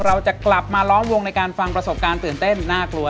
เราจะกลับมาล้อมวงในการฟังประสบการณ์ตื่นเต้นน่ากลัว